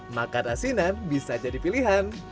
makan asinan bisa jadi pilihan